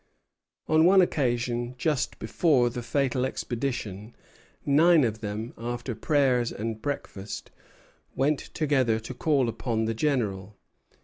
On one occasion, just before the fatal expedition, nine of them, after prayers and breakfast, went together to call upon the General.